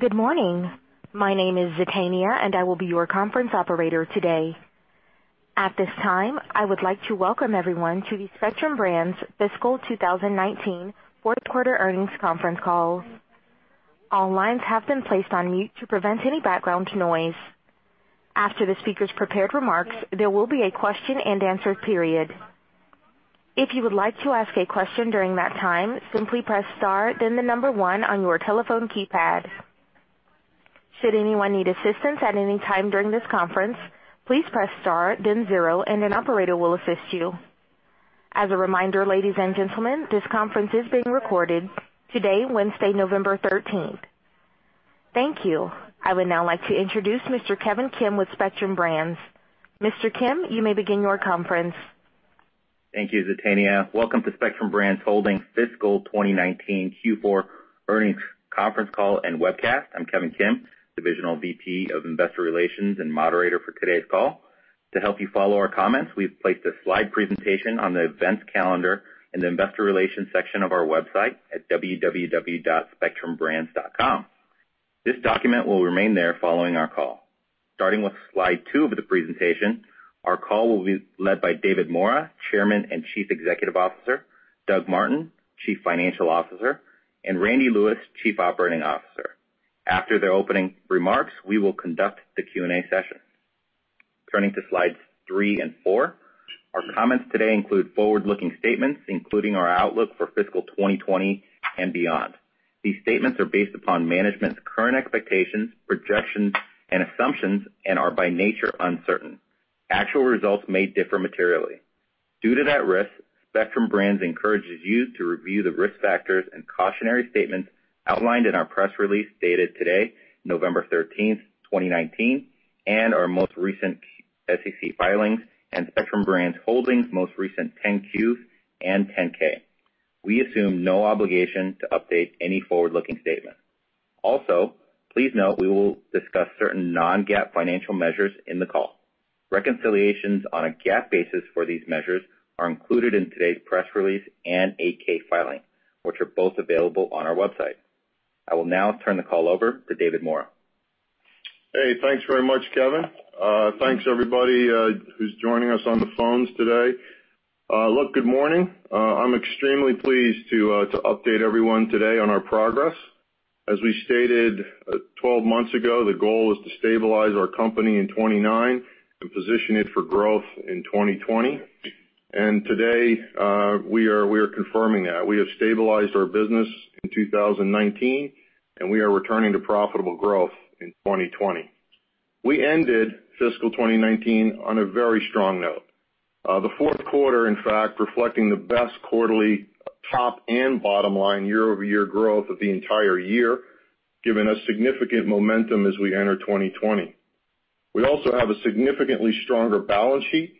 Good morning. My name is Zetania, and I will be your conference operator today. At this time, I would like to welcome everyone to the Spectrum Brands Fiscal 2019 Fourth Quarter Earnings Conference Call. All lines have been placed on mute to prevent any background noise. After the speakers' prepared remarks, there will be a question and answer period. If you would like to ask a question during that time, simply press star then the number one on your telephone keypad. Should anyone need assistance at any time during this conference, please press star then zero, and an operator will assist you. As a reminder, ladies and gentlemen, this conference is being recorded today, Wednesday, November 13th. Thank you. I would now like to introduce Mr. Kevin Kim with Spectrum Brands. Mr. Kim, you may begin your conference. Thank you, Zetania. Welcome to Spectrum Brands Holdings Fiscal 2019 Q4 Earnings Conference Call and Webcast. I'm Kevin Kim, Divisional VP of Investor Relations and moderator for today's call. To help you follow our comments, we've placed a slide presentation on the events calendar in the Investor Relations section of our website at www.spectrumbrands.com. This document will remain there following our call. Starting with slide two of the presentation, our call will be led by David Maura, Chairman and Chief Executive Officer, Doug Martin, Chief Financial Officer, and Randy Lewis, Chief Operating Officer. After their opening remarks, we will conduct the Q&A session. Turning to slides three and four. Our comments today include forward-looking statements, including our outlook for fiscal 2020 and beyond. These statements are based upon management's current expectations, projections, and assumptions and are by nature uncertain. Actual results may differ materially. Due to that risk, Spectrum Brands encourages you to review the risk factors and cautionary statements outlined in our press release dated today, November 13th, 2019, and our most recent SEC filings and Spectrum Brands Holdings' most recent 10-Q and 10-K. We assume no obligation to update any forward-looking statement. Also, please note we will discuss certain non-GAAP financial measures in the call. Reconciliations on a GAAP basis for these measures are included in today's press release and 8-K filing, which are both available on our website. I will now turn the call over to David Maura. Hey, thanks very much, Kevin. Thanks everybody who's joining us on the phones today. Look, good morning. I'm extremely pleased to update everyone today on our progress. As we stated 12 months ago, the goal is to stabilize our company in 2019 and position it for growth in 2020. Today, we are confirming that. We have stabilized our business in 2019, and we are returning to profitable growth in 2020. We ended fiscal 2019 on a very strong note. The fourth quarter, in fact, reflecting the best quarterly top and bottom-line year-over-year growth of the entire year, giving us significant momentum as we enter 2020. We also have a significantly stronger balance sheet.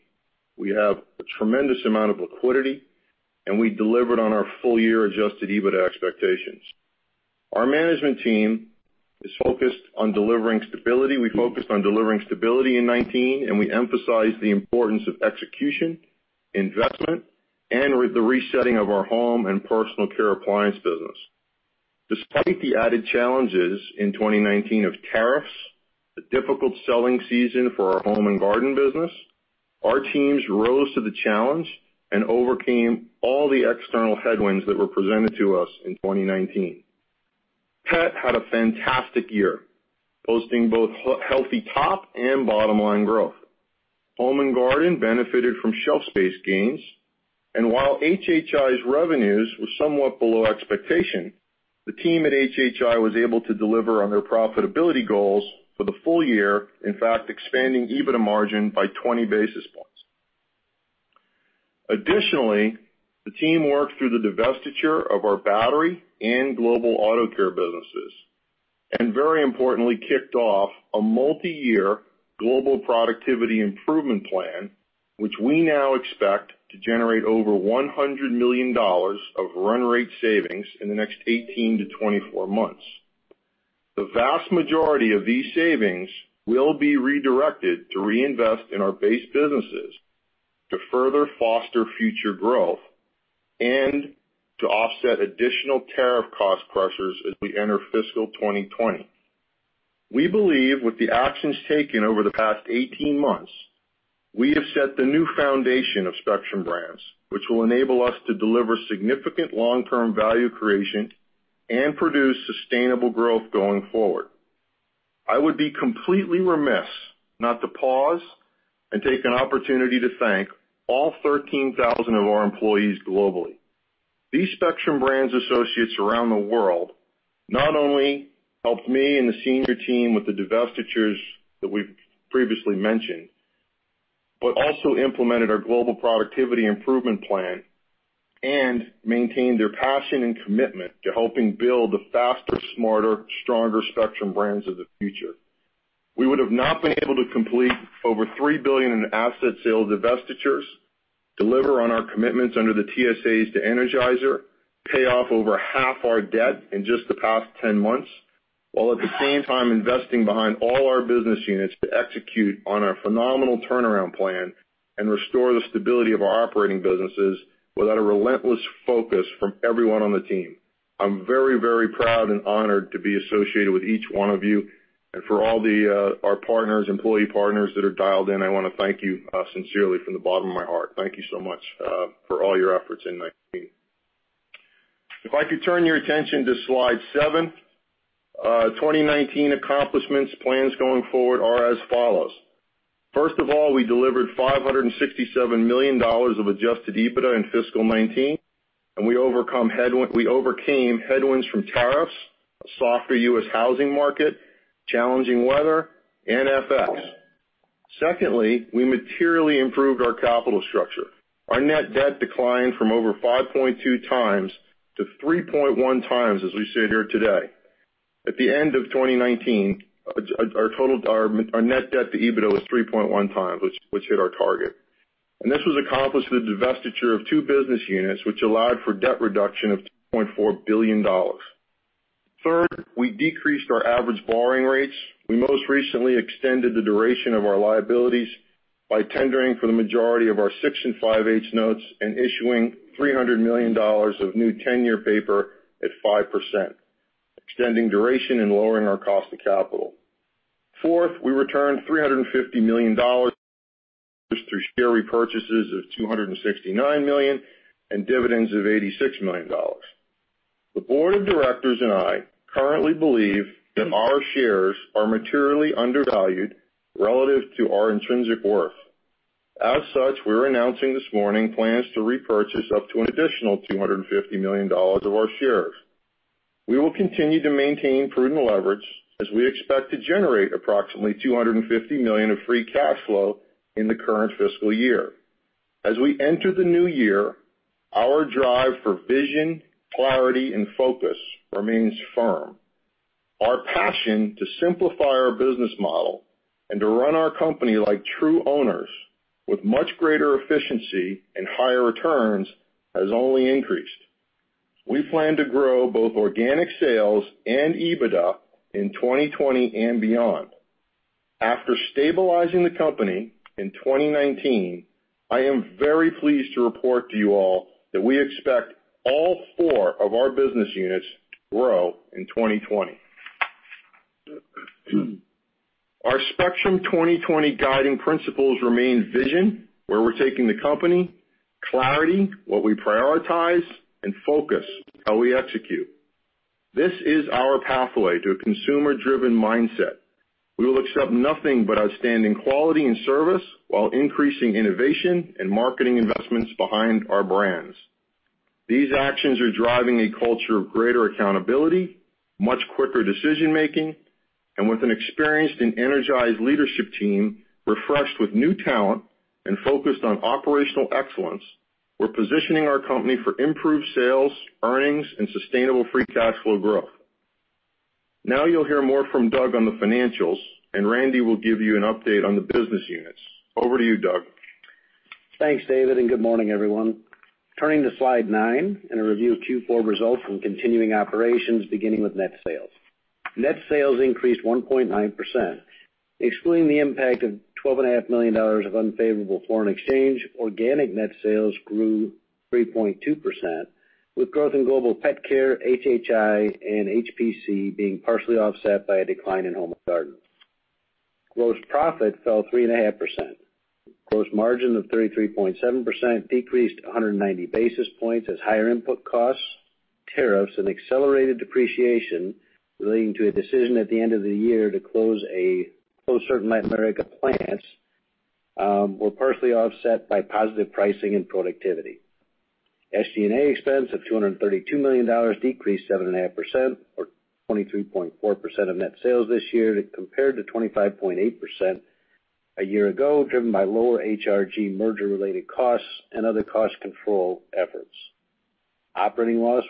We have a tremendous amount of liquidity, and we delivered on our full-year adjusted EBITDA expectations. Our management team is focused on delivering stability. We focused on delivering stability in 2019, and we emphasized the importance of execution, investment, and the resetting of our Home and Personal Care appliance business. Despite the added challenges in 2019 of tariffs, the difficult selling season for our Home and Garden business, our teams rose to the challenge and overcame all the external headwinds that were presented to us in 2019. Pet had a fantastic year, posting both healthy top and bottom-line growth. Home and Garden benefited from shelf space gains. While HHI's revenues were somewhat below expectation, the team at HHI was able to deliver on their profitability goals for the full year, in fact, expanding EBITDA margin by 20 basis points. Additionally, the team worked through the divestiture of our battery and global auto care businesses, and very importantly, kicked off a multiyear global productivity improvement plan, which we now expect to generate over $100 million of run rate savings in the next 18-24 months. The vast majority of these savings will be redirected to reinvest in our base businesses to further foster future growth and to offset additional tariff cost pressures as we enter fiscal 2020. We believe with the actions taken over the past 18 months, we have set the new foundation of Spectrum Brands, which will enable us to deliver significant long-term value creation and produce sustainable growth going forward. I would be completely remiss not to pause and take an opportunity to thank all 13,000 of our employees globally. These Spectrum Brands associates around the world not only helped me and the senior team with the divestitures that we've previously mentioned, but also implemented our global productivity improvement plan and maintained their passion and commitment to helping build the faster, smarter, stronger Spectrum Brands of the future. We would have not been able to complete over $3 billion in asset sales divestitures, deliver on our commitments under the TSAs to Energizer, pay off over half our debt in just the past 10 months, while at the same time investing behind all our business units to execute on our phenomenal turnaround plan and restore the stability of our operating businesses without a relentless focus from everyone on the team. I'm very, very proud and honored to be associated with each one of you and for all our partners, employee partners that are dialed in, I want to thank you sincerely from the bottom of my heart. Thank you so much for all your efforts in 2019. If I could turn your attention to slide seven, 2019 accomplishments plans going forward are as follows. First of all, we delivered $567 million of adjusted EBITDA in fiscal 2019, and we overcame headwinds from tariffs, a softer U.S. housing market, challenging weather, and FX. Secondly, we materially improved our capital structure. Our net debt declined from over 5.2 times to 3.1 times, as we sit here today. At the end of 2019, our net debt to EBITDA was 3.1 times, which hit our target. This was accomplished through the divestiture of two business units, which allowed for debt reduction of $2.4 billion. Third, we decreased our average borrowing rates. We most recently extended the duration of our liabilities by tendering for the majority of our 6 5/8 notes and issuing $300 million of new 10-year paper at 5%, extending duration and lowering our cost of capital. Fourth, we returned $350 million through share repurchases of $269 million and dividends of $86 million. The board of directors and I currently believe that our shares are materially undervalued relative to our intrinsic worth. As such, we're announcing this morning plans to repurchase up to an additional $250 million of our shares. We will continue to maintain prudent leverage as we expect to generate approximately $250 million of free cash flow in the current fiscal year. As we enter the new year, our drive for vision, clarity, and focus remains firm. Our passion to simplify our business model and to run our company like true owners with much greater efficiency and higher returns has only increased. We plan to grow both organic sales and EBITDA in 2020 and beyond. After stabilizing the company in 2019, I am very pleased to report to you all that we expect all four of our business units to grow in 2020. Our Spectrum 2020 guiding principles remain vision, where we're taking the company, clarity, what we prioritize, and focus, how we execute. This is our pathway to a consumer-driven mindset. We will accept nothing but outstanding quality and service while increasing innovation and marketing investments behind our brands. These actions are driving a culture of greater accountability, much quicker decision-making, and with an experienced and energized leadership team, refreshed with new talent and focused on operational excellence, we're positioning our company for improved sales, earnings, and sustainable free cash flow growth. Now you'll hear more from Doug on the financials, and Randy will give you an update on the business units. Over to you, Doug. Thanks, David, and good morning, everyone. Turning to slide nine and a review of Q4 results from continuing operations, beginning with net sales. Net sales increased 1.9%. Excluding the impact of $12.5 million of unfavorable foreign exchange, organic net sales grew 3.2%, with growth in Global Pet Care, HHI, and HPC being partially offset by a decline in Home and Garden. Gross profit fell 3.5%. Gross margin of 33.7% decreased 190 basis points as higher input costs, tariffs, and accelerated depreciation relating to a decision at the end of the year to close certain Latin America plants were partially offset by positive pricing and productivity. SG&A expense of $232 million decreased 7.5% or 23.4% of net sales this year compared to 25.8% a year ago, driven by lower HRG merger-related costs and other cost control efforts. Operating loss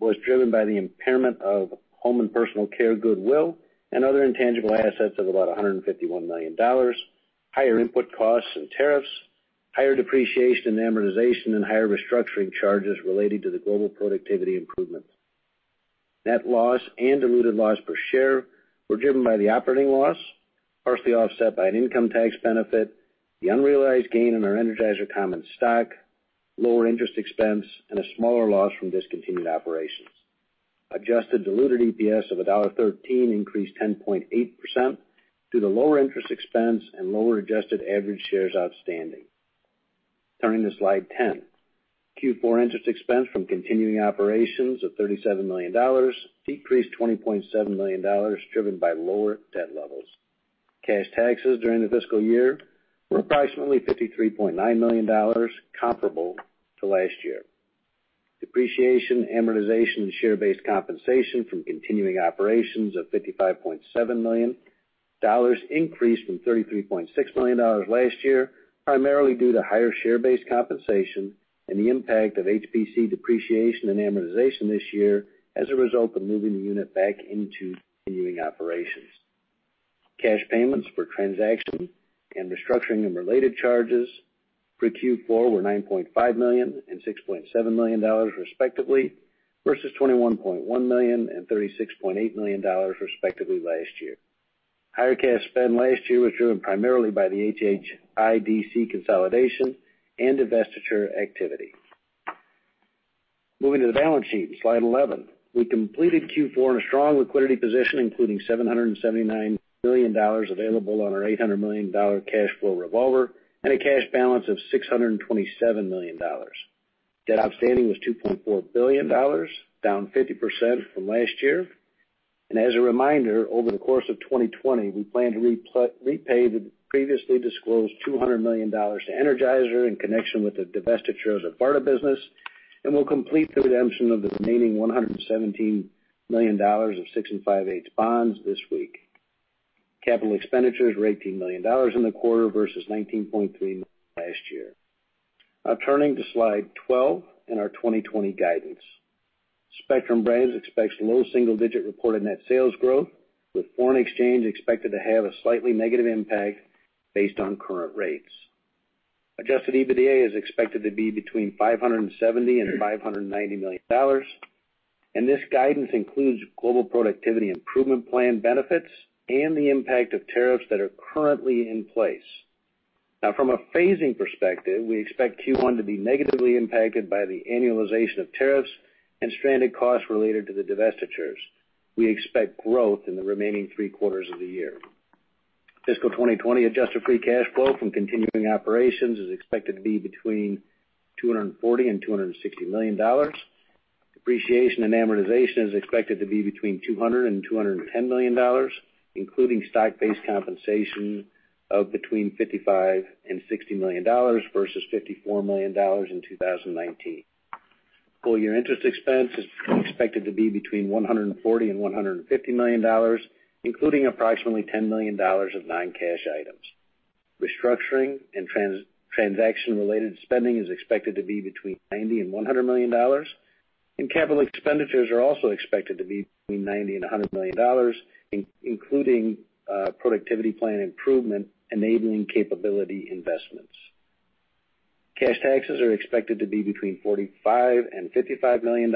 was driven by the impairment of Home and Personal Care goodwill and other intangible assets of about $151 million, higher input costs and tariffs, higher depreciation and amortization, and higher restructuring charges related to the global productivity improvements. Net loss and diluted loss per share were driven by the operating loss, partially offset by an income tax benefit, the unrealized gain in our Energizer common stock, lower interest expense, and a smaller loss from discontinued operations. Adjusted diluted EPS of $1.13 increased 10.8% due to lower interest expense and lower adjusted average shares outstanding. Turning to slide 10. Q4 interest expense from continuing operations of $37 million decreased $20.7 million, driven by lower debt levels. Cash taxes during the fiscal year were approximately $53.9 million, comparable to last year. Depreciation, amortization, and share-based compensation from continuing operations of $55.7 million increased from $33.6 million last year, primarily due to higher share-based compensation and the impact of HPC depreciation and amortization this year as a result of moving the unit back into continuing operations. Cash payments for transaction and restructuring and related charges for Q4 were $9.5 million and $6.7 million respectively, versus $21.1 million and $36.8 million respectively last year. Higher cash spend last year was driven primarily by the HHI DC consolidation and divestiture activity. Moving to the balance sheet, slide 11. We completed Q4 in a strong liquidity position, including $779 million available on our $800 million cash flow revolver, and a cash balance of $627 million. Debt outstanding was $2.4 billion, down 50% from last year. As a reminder, over the course of 2020, we plan to repay the previously disclosed $200 million to Energizer in connection with the divestitures of Varta business, and we'll complete the redemption of the remaining $117 million of 6 and five-eighths bonds this week. Capital expenditures were $18 million in the quarter versus $19.3 million last year. Turning to slide 12 and our 2020 guidance. Spectrum Brands expects low single-digit reported net sales growth, with foreign exchange expected to have a slightly negative impact based on current rates. Adjusted EBITDA is expected to be between $570 million and $590 million, and this guidance includes Global Productivity Improvement Plan benefits and the impact of tariffs that are currently in place. From a phasing perspective, we expect Q1 to be negatively impacted by the annualization of tariffs and stranded costs related to the divestitures. We expect growth in the remaining three quarters of the year. Fiscal 2020 adjusted free cash flow from continuing operations is expected to be between $240 million and $260 million. Depreciation and amortization is expected to be between $200 million and $210 million, including stock-based compensation of between $55 million and $60 million versus $54 million in 2019. Full-year interest expense is expected to be between $140 million and $150 million, including approximately $10 million of non-cash items. Restructuring and transaction-related spending is expected to be between $90 million and $100 million, and capital expenditures are also expected to be between $90 million and $100 million, including productivity plan improvement enabling capability investments. Cash taxes are expected to be between $45 million and $55 million,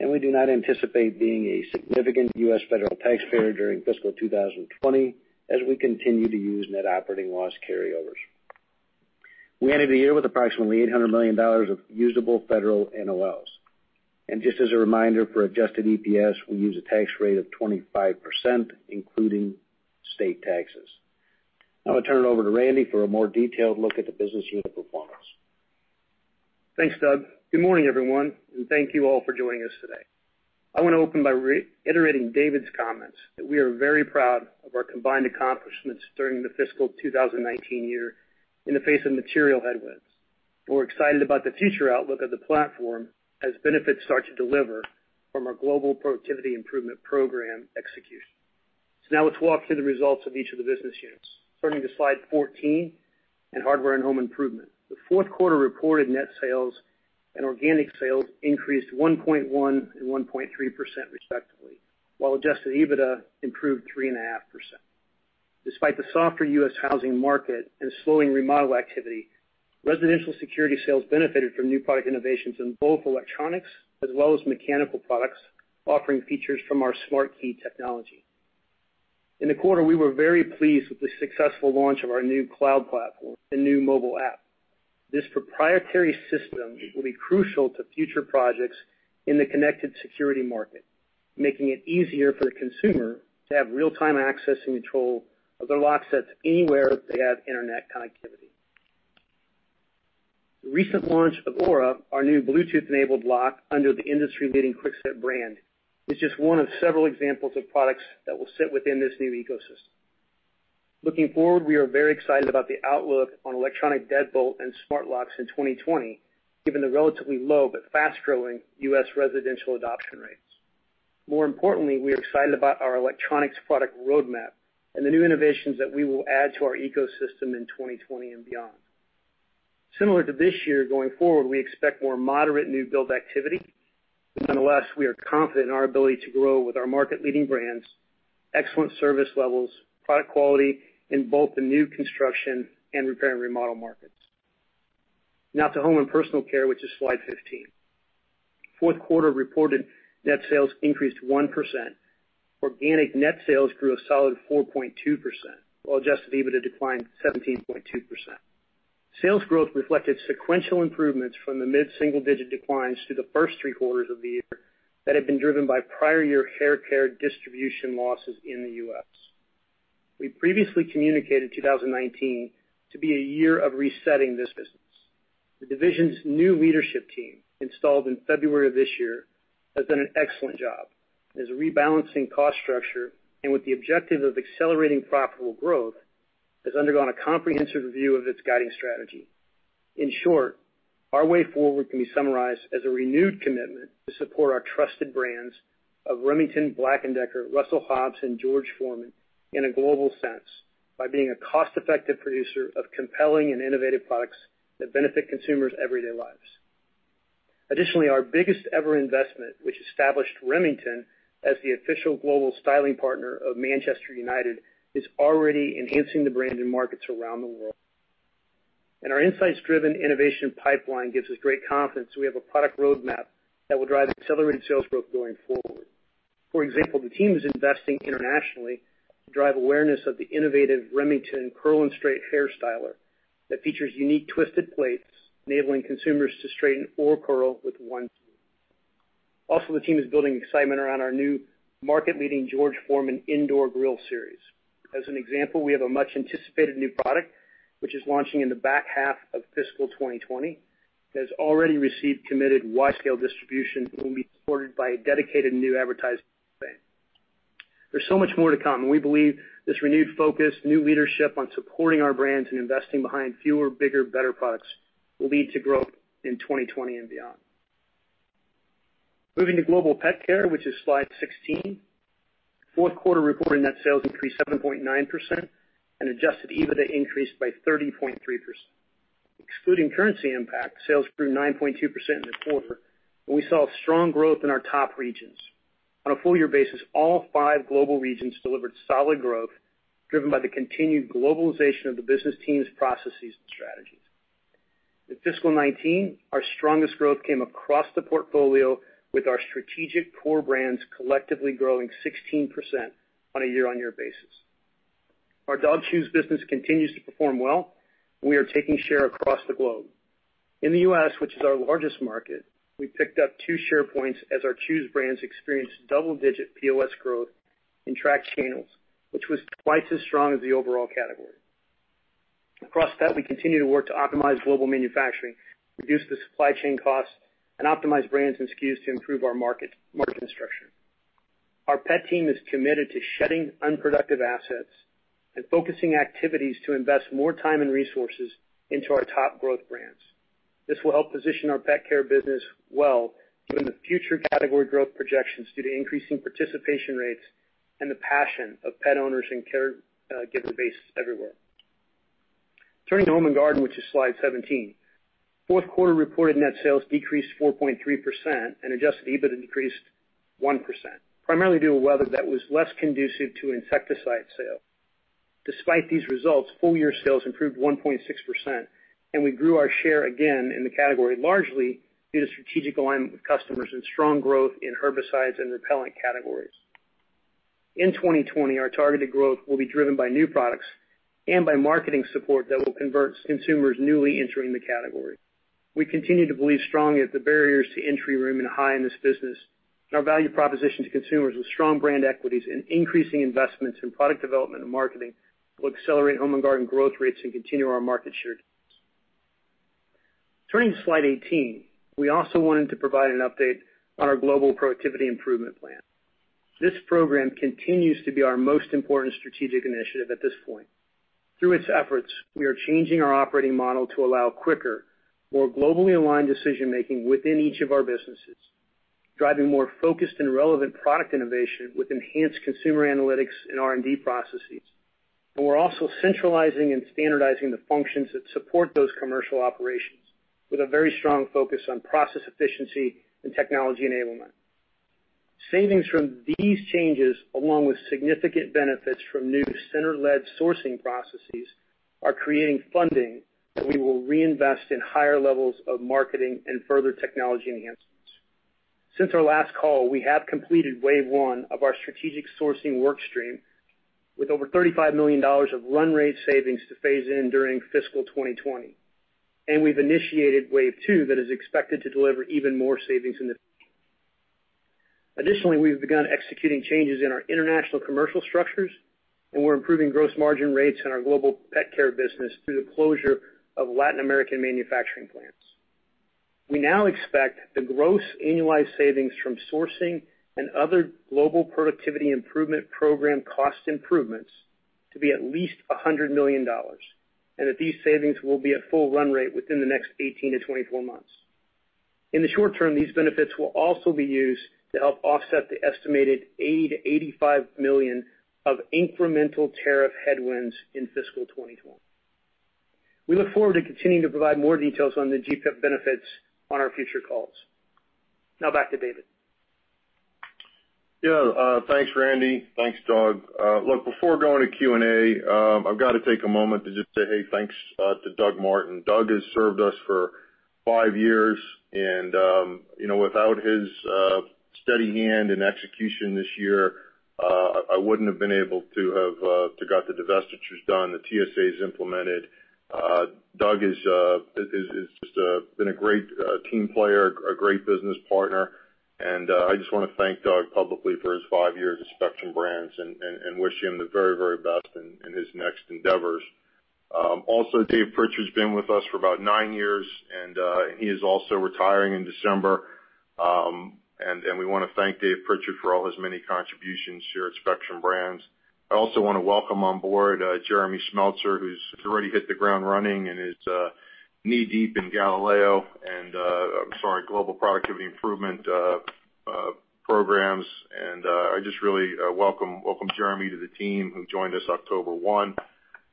and we do not anticipate being a significant U.S. federal taxpayer during fiscal 2020 as we continue to use net operating loss carryovers. We ended the year with approximately $800 million of usable federal NOLs. Just as a reminder, for adjusted EPS, we use a tax rate of 25%, including state taxes. I turn it over to Randy for a more detailed look at the business unit performance. Thanks, Doug. Good morning, everyone, thank you all for joining us today. I want to open by reiterating David's comments that we are very proud of our combined accomplishments during the fiscal 2019 year in the face of material headwinds. We're excited about the future outlook of the platform as benefits start to deliver from our Global Productivity Improvement Program execution. Now let's walk through the results of each of the business units. Turning to slide 14 in Hardware and Home Improvement. The fourth quarter reported net sales and organic sales increased 1.1% and 1.3% respectively, while adjusted EBITDA improved 3.5%. Despite the softer U.S. housing market and slowing remodel activity, residential security sales benefited from new product innovations in both electronics as well as mechanical products, offering features from our SmartKey technology. In the quarter, we were very pleased with the successful launch of our new cloud platform and new mobile app. This proprietary system will be crucial to future projects in the connected security market, making it easier for the consumer to have real-time access and control of their lock sets anywhere they have internet connectivity. The recent launch of Aura, our new Bluetooth-enabled lock under the industry-leading Kwikset brand, is just one of several examples of products that will sit within this new ecosystem. Looking forward, we are very excited about the outlook on electronic deadbolt and smart locks in 2020, given the relatively low but fast-growing U.S. residential adoption rates. More importantly, we are excited about our electronics product roadmap and the new innovations that we will add to our ecosystem in 2020 and beyond. Similar to this year, going forward, we expect more moderate new build activity. Nonetheless, we are confident in our ability to grow with our market-leading brands, excellent service levels, product quality in both the new construction and repair and remodel markets. Now to Home and Personal Care, which is slide 15. Fourth quarter reported net sales increased 1%. Organic net sales grew a solid 4.2%, while adjusted EBITDA declined 17.2%. Sales growth reflected sequential improvements from the mid-single-digit declines through the first three quarters of the year that had been driven by prior year hair care distribution losses in the U.S. We previously communicated 2019 to be a year of resetting this business. The division's new leadership team, installed in February of this year, has done an excellent job. It is rebalancing cost structure, and with the objective of accelerating profitable growth, has undergone a comprehensive review of its guiding strategy. In short, our way forward can be summarized as a renewed commitment to support our trusted brands of Remington, Black & Decker, Russell Hobbs, and George Foreman in a global sense by being a cost-effective producer of compelling and innovative products that benefit consumers' everyday lives. Additionally, our biggest ever investment, which established Remington as the official global styling partner of Manchester United, is already enhancing the brand in markets around the world. Our insights-driven innovation pipeline gives us great confidence that we have a product roadmap that will drive accelerated sales growth going forward. For example, the team is investing internationally to drive awareness of the innovative Remington Curl and Straight hair styler that features unique twisted plates, enabling consumers to straighten or curl with one tool. The team is building excitement around our new market-leading George Foreman indoor grill series. As an example, we have a much-anticipated new product, which is launching in the back half of fiscal 2020, that has already received committed wide-scale distribution and will be supported by a dedicated new advertising campaign. There's so much more to come, and we believe this renewed focus, new leadership on supporting our brands and investing behind fewer, bigger, better products will lead to growth in 2020 and beyond. Moving to Global Pet Care, which is slide 16. Fourth quarter reported net sales increased 7.9% and adjusted EBITDA increased by 30.3%. Excluding currency impact, sales grew 9.2% in the quarter, and we saw strong growth in our top regions. On a full year basis, all five global regions delivered solid growth, driven by the continued globalization of the business teams, processes, and strategies. In fiscal 2019, our strongest growth came across the portfolio with our strategic core brands collectively growing 16% on a year-on-year basis. Our dog chews business continues to perform well. We are taking share across the globe. In the U.S., which is our largest market, we picked up two share points as our Chews brands experienced double-digit POS growth in tracked channels, which was twice as strong as the overall category. Across Pet, we continue to work to optimize global manufacturing, reduce the supply chain costs, and optimize brands and SKUs to improve our market structure. Our Pet team is committed to shedding unproductive assets and focusing activities to invest more time and resources into our top growth brands. This will help position our pet care business well, given the future category growth projections due to increasing participation rates and the passion of pet owners and caregivers everywhere. Turning to Home and Garden, which is slide 17. Fourth quarter reported net sales decreased 4.3% and adjusted EBITDA decreased 1%, primarily due to weather that was less conducive to insecticide sale. Despite these results, full-year sales improved 1.6% and we grew our share again in the category, largely due to strategic alignment with customers and strong growth in herbicides and repellent categories. In 2020, our targeted growth will be driven by new products and by marketing support that will convert consumers newly entering the category. We continue to believe strongly that the barriers to entry remain high in this business and our value proposition to consumers with strong brand equities and increasing investments in product development and marketing will accelerate Home and Garden growth rates and continue our market share gains. Turning to slide 18. We also wanted to provide an update on our Global Productivity Improvement Plan. This program continues to be our most important strategic initiative at this point. Through its efforts, we are changing our operating model to allow quicker, more globally aligned decision-making within each of our businesses, driving more focused and relevant product innovation with enhanced consumer analytics and R&D processes. We're also centralizing and standardizing the functions that support those commercial operations with a very strong focus on process efficiency and technology enablement. Savings from these changes, along with significant benefits from new center-led sourcing processes, are creating funding that we will reinvest in higher levels of marketing and further technology enhancements. Since our last call, we have completed wave 1 of our strategic sourcing work stream with over $35 million of run rate savings to phase in during fiscal 2020. We've initiated wave 2 that is expected to deliver even more savings in the future. We've begun executing changes in our international commercial structures, and we're improving gross margin rates in our Global Pet Care business through the closure of Latin American manufacturing plants. We now expect the gross annualized savings from sourcing and other Global Productivity Improvement Program cost improvements to be at least $100 million, and that these savings will be at full run rate within the next 18 to 24 months. In the short term, these benefits will also be used to help offset the estimated $80 million-$85 million of incremental tariff headwinds in fiscal 2020. We look forward to continuing to provide more details on the GPIP benefits on our future calls. Back to David. Thanks, Randy. Thanks, Doug. Before going to Q&A, I've got to take a moment to just say hey, thanks, to Doug Martin. Doug has served us for five years, and without his steady hand and execution this year, I wouldn't have been able to have got the divestitures done, the TSAs implemented. Doug has just been a great team player, a great business partner, and I just want to thank Doug publicly for his five years at Spectrum Brands and wish him the very best in his next endeavors. Dave Prichard's been with us for about nine years, and he is also retiring in December. We want to thank Dave Prichard for all his many contributions here at Spectrum Brands. I also want to welcome on board Jeremy Smeltser, who's already hit the ground running and is knee-deep in Galileo, I'm sorry, global productivity improvement programs. I just really welcome Jeremy to the team who joined us October 1.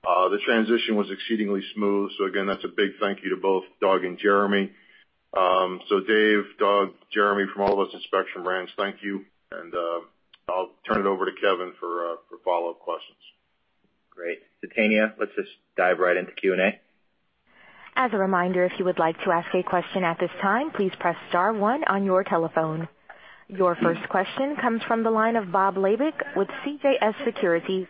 The transition was exceedingly smooth. Again, that's a big thank you to both Doug and Jeremy. Dave, Doug, Jeremy, from all of us at Spectrum Brands, thank you. I'll turn it over to Kevin for follow-up questions. Great. Zetania, let's just dive right into Q&A. As a reminder, if you would like to ask a question at this time, please press star one on your telephone. Your first question comes from the line of Bob Labick with CJS Securities.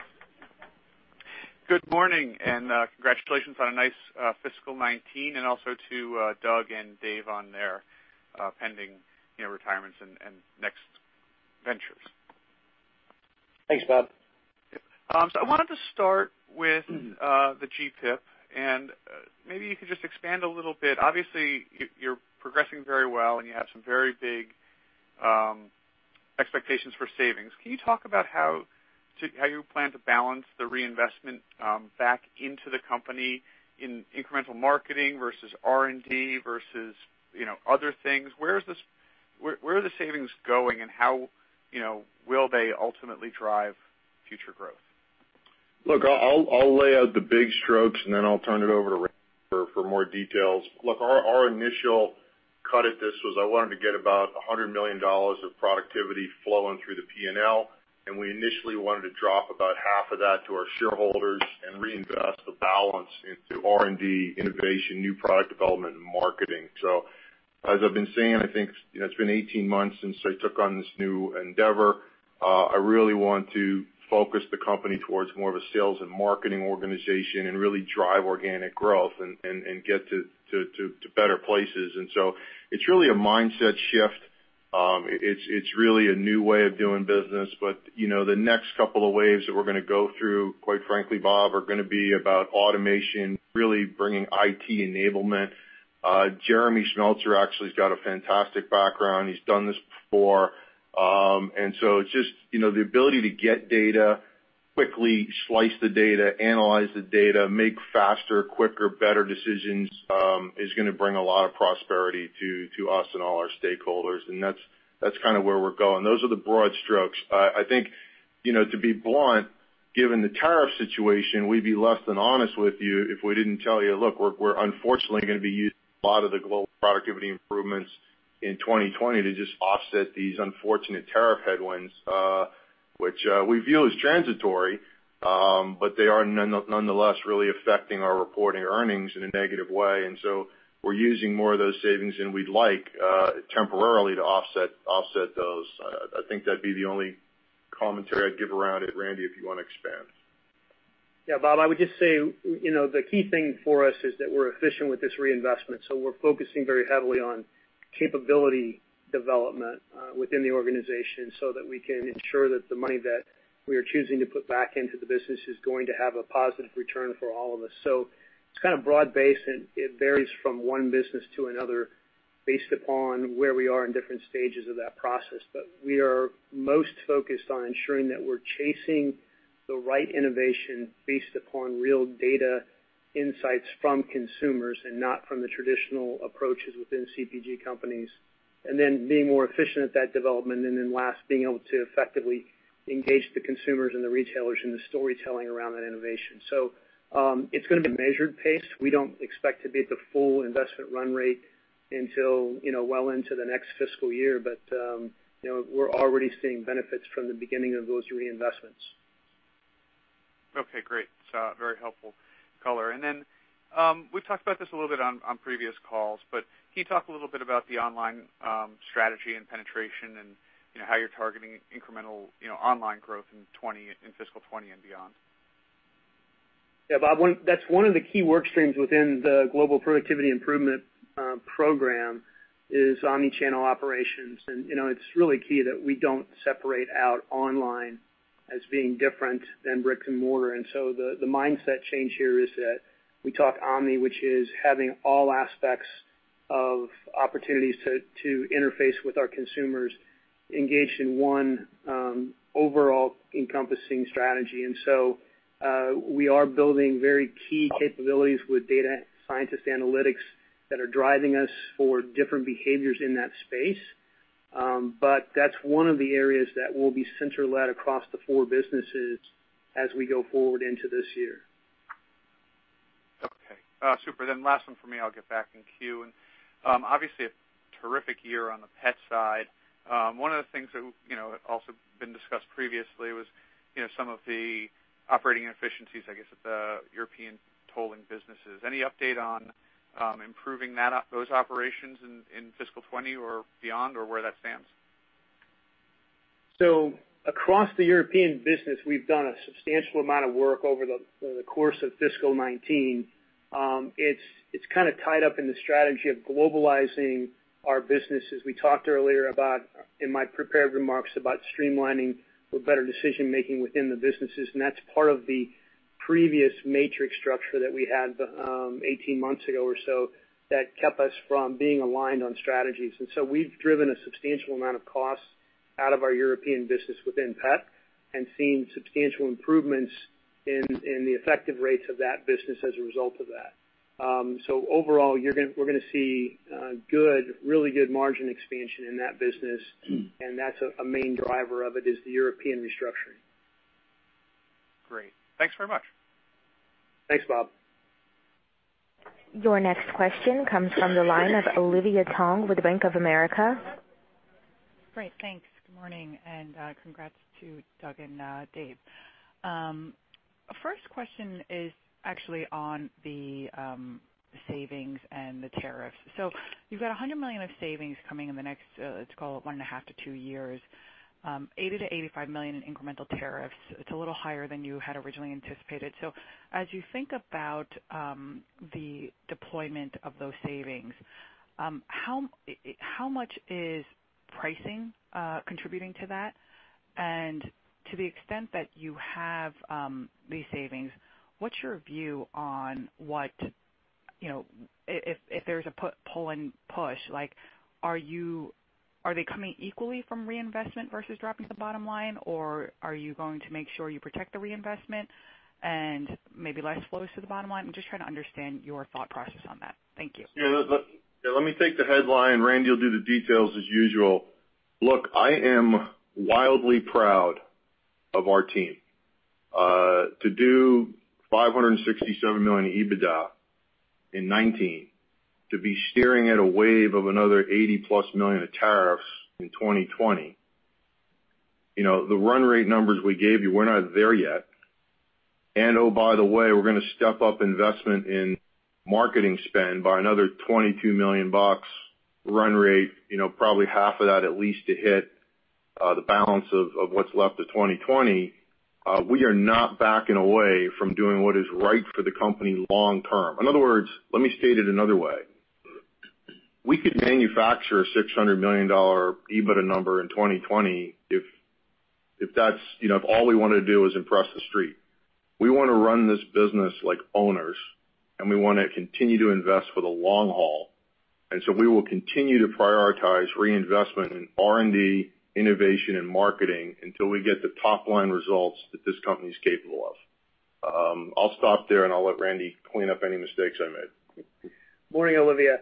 Good morning, and congratulations on a nice fiscal 2019, and also to Doug and Dave on their pending retirements and next ventures. Thanks, Bob. Yep. I wanted to start with the GPIP, and maybe you could just expand a little bit. Obviously, you're progressing very well, and you have some very big expectations for savings. Can you talk about how you plan to balance the reinvestment back into the company in incremental marketing versus R&D versus other things? Where are the savings going, and how will they ultimately drive future growth? I'll lay out the big strokes, and then I'll turn it over to Randy for more details. Our initial cut at this was I wanted to get about $100 million of productivity flowing through the P&L, and we initially wanted to drop about half of that to our shareholders and reinvest the balance into R&D, innovation, new product development, and marketing. As I've been saying, I think it's been 18 months since I took on this new endeavor. I really want to focus the company towards more of a sales and marketing organization and really drive organic growth and get to better places. It's really a mindset shift. It's really a new way of doing business. The next couple of waves that we're going to go through, quite frankly, Bob, are going to be about automation, really bringing IT enablement. Jeremy Smeltser actually's got a fantastic background. He's done this before. It's just the ability to get data, quickly slice the data, analyze the data, make faster, quicker, better decisions, is going to bring a lot of prosperity to us and all our stakeholders. That's where we're going. Those are the broad strokes. I think, to be blunt, given the tariff situation, we'd be less than honest with you if we didn't tell you, look, we're unfortunately going to be using a lot of the global productivity improvements in 2020 to just offset these unfortunate tariff headwinds, which we view as transitory, but they are nonetheless really affecting our reporting earnings in a negative way. We're using more of those savings than we'd like, temporarily to offset those. I think that'd be the only commentary I'd give around it. Randy, if you want to expand. Bob, I would just say the key thing for us is that we're efficient with this reinvestment. We're focusing very heavily on capability development within the organization so that we can ensure that the money that we are choosing to put back into the business is going to have a positive return for all of us. It's kind of broad-based, and it varies from one business to another based upon where we are in different stages of that process. We are most focused on ensuring that we're chasing the right innovation based upon real data insights from consumers and not from the traditional approaches within CPG companies, and then being more efficient at that development. Last, being able to effectively engage the consumers and the retailers in the storytelling around that innovation. It's going to be measured pace. We don't expect to be at the full investment run rate until well into the next fiscal year. We're already seeing benefits from the beginning of those reinvestments. Okay, great. Very helpful color. We've talked about this a little bit on previous calls, but can you talk a little bit about the online strategy and penetration and how you're targeting incremental online growth in fiscal 2020 and beyond? Yeah, Bob Labick, that's one of the key work streams within the Global Productivity Improvement Program is omnichannel operations. It's really key that we don't separate out online as being different than brick-and-mortar. The mindset change here is that we talk omni, which is having all aspects of opportunities to interface with our consumers engaged in one overall encompassing strategy. We are building very key capabilities with data scientist analytics that are driving us for different behaviors in that space. That's one of the areas that will be center-led across the four businesses as we go forward into this year. Okay. Super. Last one from me, I'll get back in queue. Obviously, a terrific year on the pet side. One of the things that also been discussed previously was some of the operating inefficiencies, I guess at the European tolling businesses. Any update on improving those operations in fiscal 2020 or beyond or where that stands? Across the European business, we've done a substantial amount of work over the course of fiscal 2019. It's kind of tied up in the strategy of globalizing our businesses. We talked earlier in my prepared remarks about streamlining for better decision-making within the businesses, and that's part of the previous matrix structure that we had 18 months ago or so that kept us from being aligned on strategies. We've driven a substantial amount of costs out of our European business within Pet and seen substantial improvements in the effective rates of that business as a result of that. Overall, we're going to see really good margin expansion in that business. That's a main driver of it, is the European restructuring. Great. Thanks very much. Thanks, Bob. Your next question comes from the line of Olivia Tong with Bank of America. Great. Thanks. Good morning, and congrats to Doug and Dave. First question is actually on the savings and the tariffs. You've got $100 million of savings coming in the next, let's call it 1.5-2 years. $80 million-$85 million in incremental tariffs. It's a little higher than you had originally anticipated. As you think about the deployment of those savings, how much is pricing contributing to that? To the extent that you have these savings, what's your view on, if there's a pull and push, are they coming equally from reinvestment versus dropping to the bottom line? Are you going to make sure you protect the reinvestment and maybe less flows to the bottom line? I'm just trying to understand your thought process on that. Thank you. Yeah. Let me take the headline. Randy will do the details as usual. Look, I am wildly proud of our team. To do $567 million EBITDA in 2019, to be staring at a wave of another $80-plus million of tariffs in 2020. The run rate numbers we gave you, we're not there yet. Oh, by the way, we're going to step up investment in marketing spend by another $22 million run rate, probably half of that at least to hit the balance of what's left of 2020. We are not backing away from doing what is right for the company long term. In other words, let me state it another way. We could manufacture a $600 million EBITDA number in 2020, if all we want to do is impress The Street. We want to run this business like owners, and we want to continue to invest for the long haul. We will continue to prioritize reinvestment in R&D, innovation, and marketing until we get the top-line results that this company's capable of. I'll stop there and I'll let Randy clean up any mistakes I made. Morning, Olivia.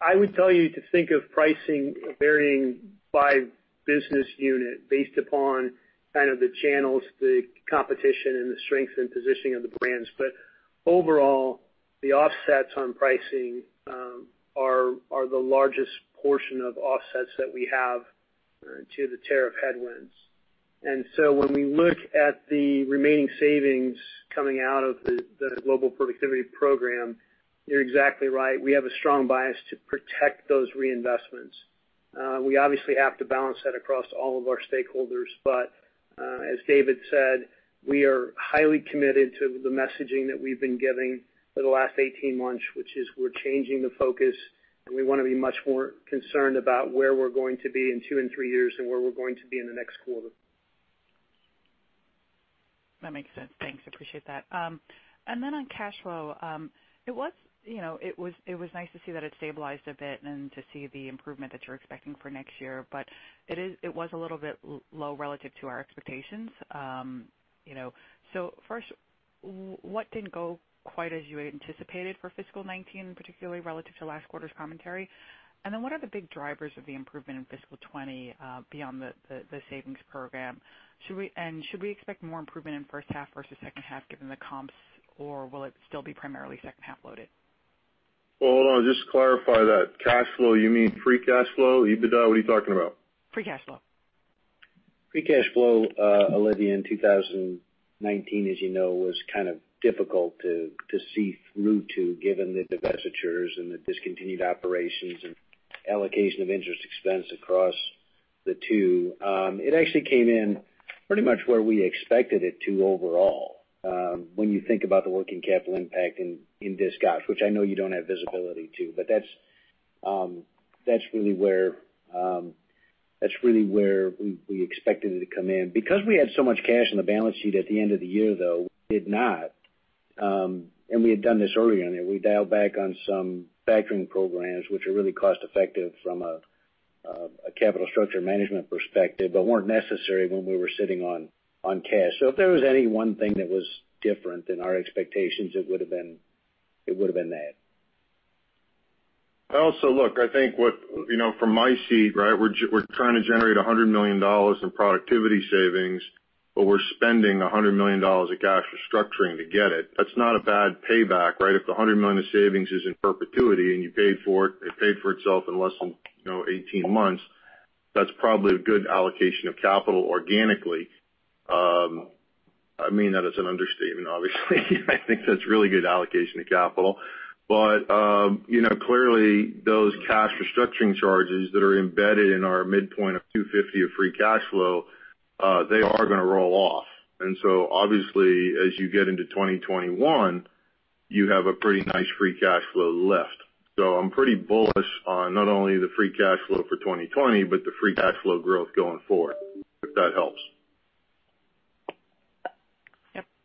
I would tell you to think of pricing varying by business unit based upon kind of the channels, the competition, and the strength and positioning of the brands. Overall, the offsets on pricing are the largest portion of offsets that we have to the tariff headwinds. When we look at the remaining savings coming out of the Global Productivity Program, you're exactly right. We have a strong bias to protect those reinvestments. We obviously have to balance that across all of our stakeholders. As David said, we are highly committed to the messaging that we've been giving for the last 18 months, which is we're changing the focus, and we want to be much more concerned about where we're going to be in two and three years than where we're going to be in the next quarter. That makes sense. Thanks, appreciate that. On cash flow, it was nice to see that it stabilized a bit and to see the improvement that you're expecting for next year. It was a little bit low relative to our expectations. First, what didn't go quite as you had anticipated for fiscal 2019, particularly relative to last quarter's commentary? What are the big drivers of the improvement in fiscal 2020, beyond the savings program? Should we expect more improvement in first half versus second half, given the comps, or will it still be primarily second half loaded? Well, hold on, just to clarify that. Cash flow, you mean free cash flow? EBITDA? What are you talking about? Free cash flow. Free cash flow, Olivia, in 2019, as you know, was kind of difficult to see through to, given the divestitures and the discontinued operations and allocation of interest expense across the two. It actually came in pretty much where we expected it to overall, when you think about the working capital impact in disc ops, which I know you don't have visibility to, but that's really where we expected it to come in. Because we had so much cash on the balance sheet at the end of the year, though, we did not. We had done this earlier in there. We dialed back on some factoring programs, which are really cost-effective from a capital structure management perspective, but weren't necessary when we were sitting on cash. If there was any one thing that was different than our expectations, it would've been that. Look, I think from my seat, we're trying to generate $100 million in productivity savings, but we're spending $100 million of cash restructuring to get it. That's not a bad payback. If the $100 million of savings is in perpetuity, and it paid for itself in less than 18 months, that's probably a good allocation of capital organically. I mean that as an understatement, obviously. I think that's really good allocation of capital. Clearly, those cash restructuring charges that are embedded in our midpoint of $250 of free cash flow, they are gonna roll off. Obviously, as you get into 2021, you have a pretty nice free cash flow lift. I'm pretty bullish on not only the free cash flow for 2020, but the free cash flow growth going forward, if that helps. Yep.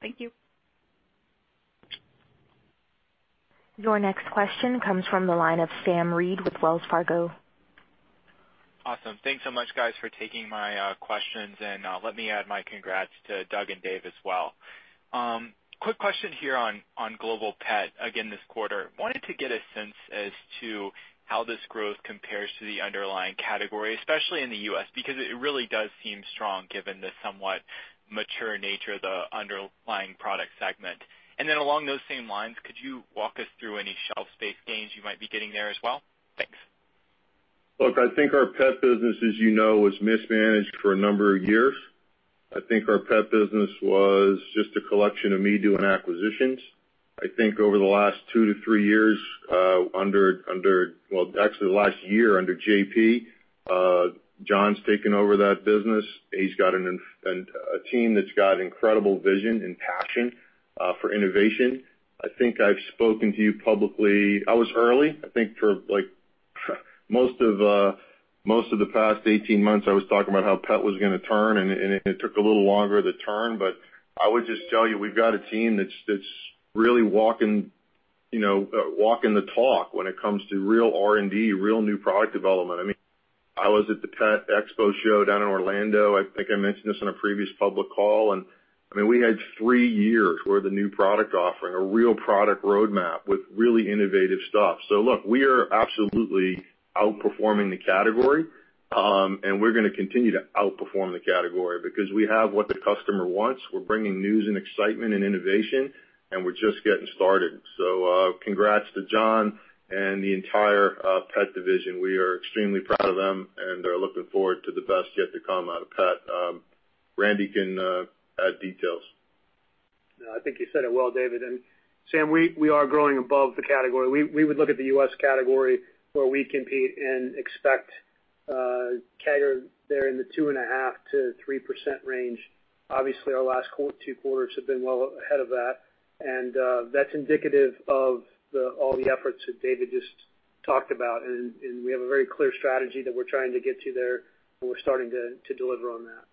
Thank you. Your next question comes from the line of Sam Reid with Wells Fargo. Awesome. Thanks so much guys for taking my questions. Let me add my congrats to Doug and Dave as well. Quick question here on Global Pet again this quarter. Wanted to get a sense as to how this growth compares to the underlying category, especially in the U.S., because it really does seem strong given the somewhat mature nature of the underlying product segment. Along those same lines, could you walk us through any shelf space gains you might be getting there as well? Thanks. Look, I think our pet business, as you know, was mismanaged for a number of years. I think our pet business was just a collection of me doing acquisitions. I think over the last two to three years, well, actually the last year under JP, John's taken over that business. He's got a team that's got incredible vision and passion for innovation. I think I've spoken to you publicly. I was early, I think for most of the past 18 months, I was talking about how pet was going to turn, and it took a little longer to turn, but I would just tell you we've got a team that's really walking the talk when it comes to real R&D, real new product development. I was at the Global Pet Expo down in Orlando. I think I mentioned this on a previous public call. We had three years worth of new product offering, a real product roadmap with really innovative stuff. Look, we are absolutely outperforming the category. We're going to continue to outperform the category because we have what the customer wants. We're bringing news and excitement and innovation, and we're just getting started. Congrats to John and the entire pet division. We are extremely proud of them and are looking forward to the best yet to come out of pet. Randy can add details. I think you said it well, David. Sam, we are growing above the category. We would look at the U.S. category where we compete and expect CAGR there in the 2.5%-3% range. Obviously, our last two quarters have been well ahead of that, and that's indicative of all the efforts that David just talked about, and we have a very clear strategy that we're trying to get to there, and we're starting to deliver on that.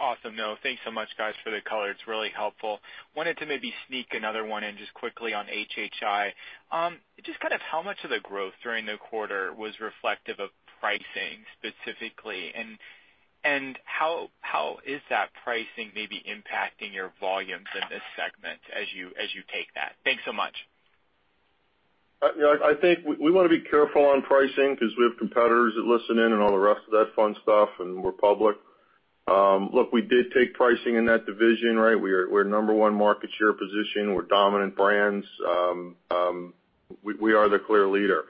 Awesome. No, thanks so much guys for the color. It's really helpful. Wanted to maybe sneak another one in just quickly on HHI. How much of the growth during the quarter was reflective of pricing specifically? How is that pricing maybe impacting your volumes in this segment as you take that? Thanks so much. I think we want to be careful on pricing because we have competitors that listen in and all the rest of that fun stuff. We're public. Look, we did take pricing in that division, right? We're number one market share position. We're dominant brands. We are the clear leader.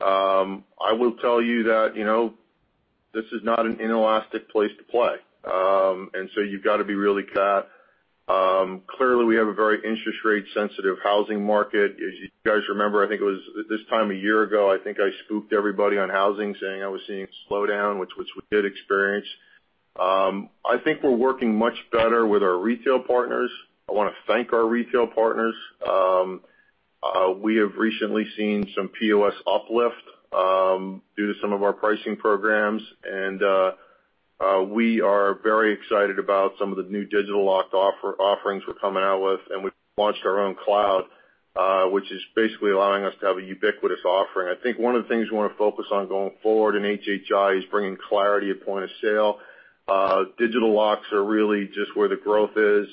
I will tell you that this is not an inelastic place to play. You've got to be really. Clearly, we have a very interest rate sensitive housing market. As you guys remember, I think it was this time a year ago, I think I spooked everybody on housing saying I was seeing a slowdown, which we did experience. I think we're working much better with our retail partners. I want to thank our retail partners. We have recently seen some POS uplift due to some of our pricing programs, and we are very excited about some of the new digital locked offerings we're coming out with. We've launched our own cloud, which is basically allowing us to have a ubiquitous offering. I think one of the things we want to focus on going forward in HHI is bringing clarity at point of sale. Digital locks are really just where the growth is.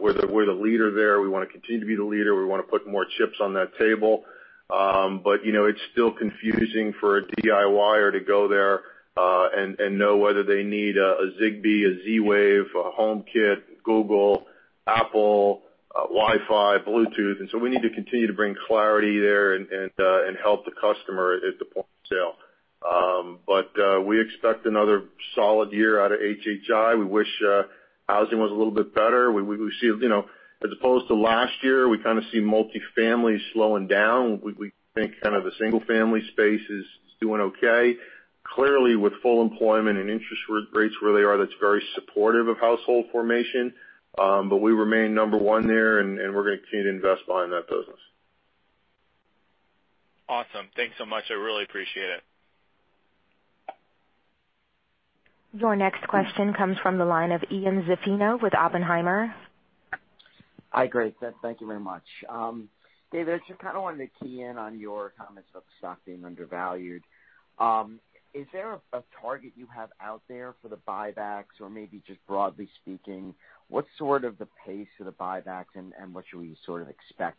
We're the leader there. We want to continue to be the leader. We want to put more chips on that table. It's still confusing for a DIY-er to go there and know whether they need a Zigbee, a Z-Wave, a HomeKit, Google, Apple, Wi-Fi, Bluetooth. We need to continue to bring clarity there and help the customer at the point of sale. We expect another solid year out of HHI. We wish housing was a little bit better. As opposed to last year, we kind of see multifamily slowing down. We think kind of the single-family space is doing okay. Clearly, with full employment and interest rates where they are, that's very supportive of household formation. We remain number 1 there, and we're going to continue to invest behind that business. Awesome. Thanks so much. I really appreciate it. Your next question comes from the line of Ian Zaffino with Oppenheimer. Hi, great. Thank you very much. David, just kind of wanted to key in on your comments about the stock being undervalued. Is there a target you have out there for the buybacks or maybe just broadly speaking, what's sort of the pace of the buybacks and what should we sort of expect